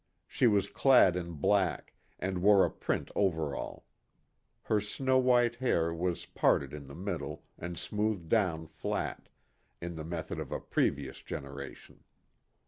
She was clad in black, and wore a print overall. Her snow white hair was parted in the middle and smoothed down flat, in the method of a previous generation.